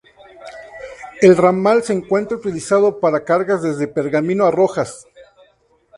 El ramal se encuentra utilizado para cargas desde Pergamino a Rojas.